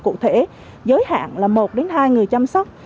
cụ thể giới hạn là một hai người chăm sóc